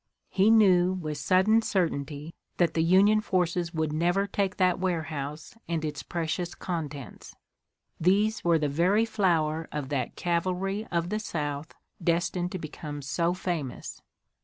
He knew with sudden certainty that the Union forces would never take that warehouse and its precious contents. These were the very flower of that cavalry of the South destined to become so famous.